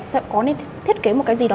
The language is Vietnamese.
thì bọn mình có thể thiết kế một cái gì đó